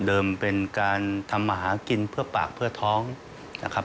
เป็นการทำมาหากินเพื่อปากเพื่อท้องนะครับ